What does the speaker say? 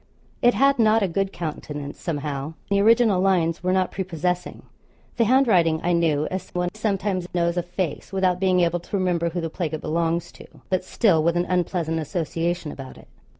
It had not a good countenance, somehow. The original lines were not prepossessing. The handwriting I knew as one sometimes knows a face, without being able to remember who the plague it belongs to; but, still, with an unpleasant association about it.